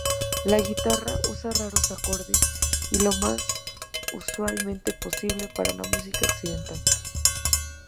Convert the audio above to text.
La guitarra usa raros acordes, y lo más inusualmente posible para la música occidental.